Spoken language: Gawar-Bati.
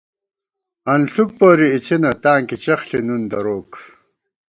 انݪُوک پوری اِڅِنہ، تانکی چخ ݪِی نُون دروک